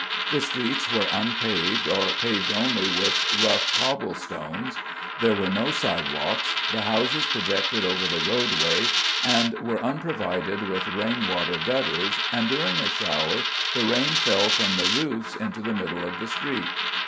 The streets were unpaved, or paved only with rough cobble stones. There were no side walks. The houses projected over the roadway, and were unprovided with rain water gutters, and during a shower the rain fell from the roofs into the middle of the street.